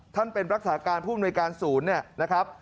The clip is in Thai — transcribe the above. ท่านเป็นปรักษาการผู้บริการศูนย์นะครับ